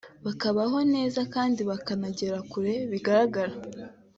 bakabaho neza kandi bakagera kure bigaragara